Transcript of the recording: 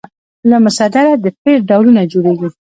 له مصدره د فعل ډولونه جوړیږي.